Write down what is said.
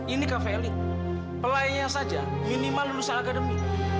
ini kafe elit pelayannya saja minimal lulusan agademi